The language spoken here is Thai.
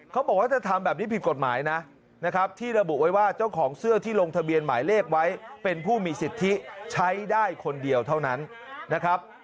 เขาบอกว่าถ้าทำแบบนี้ผิดกฎหมายนะนะครับที่ระบุไว้ว่าเจ้าของเสื้อที่ลงทะเบียนหมายเลขไว้เป็นผู้มีสิทธิใช้ได้คนเดียวเท่านั้นนะครับ